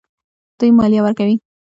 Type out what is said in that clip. دوی مالیه ورکوي.